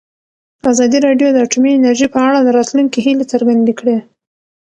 ازادي راډیو د اټومي انرژي په اړه د راتلونکي هیلې څرګندې کړې.